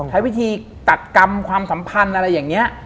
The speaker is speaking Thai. ใช้วิธีจัดกรรมความสัมพันธ์อะไรอย่างนี้